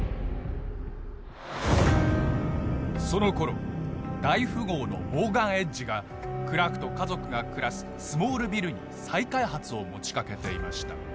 そのころ大富豪のモーガン・エッジがクラークと家族が暮らすスモールビルに再開発を持ちかけていました。